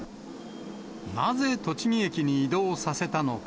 なぜ栃木駅に移動させたのか。